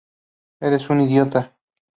Eres un idiota.